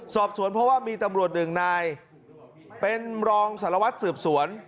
สอบสวนเพราะว่ามีตำรวจหนึ่งนายเป็นรองสารวัตรสืบสวน